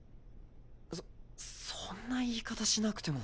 そそんな言い方しなくても。